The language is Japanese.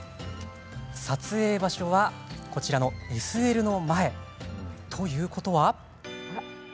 撮影場所はＳＬの前。ということは。